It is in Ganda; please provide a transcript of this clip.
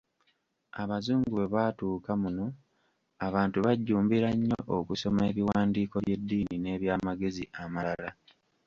Abazungu bwe baatuuka muno, abantu bajjumbira nnyo okusoma ebiwandiiko by’eddiini n’eby’amagezi amalala.